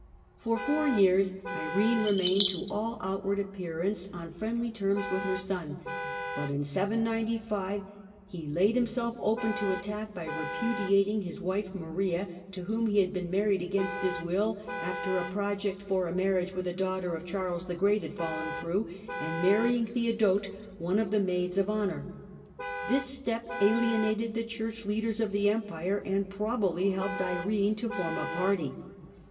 For four years Irene remained to all >utward appearance on friendly terms with her son, but n 795 he laid himself open to attack by repudiating his vife Maria, to whom he had been married against his vill after a project for a marriage with a daughter of Jharles the Great had fallen through, and marrying uheodote, one of the maids of honour. This step alien ted the Church leaders of the Empire, and probably lelped Irene to form a party.